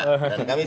dan kami siap